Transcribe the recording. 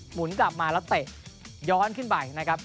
หมุนกลับมาแล้วเตะย้อนขึ้นไปนะครับ